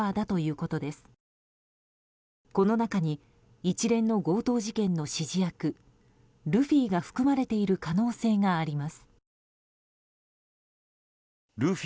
この中に一連の強盗事件の指示役ルフィが含まれている可能性があります。